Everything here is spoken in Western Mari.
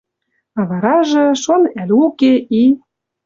А варажы, шон ӓль уке и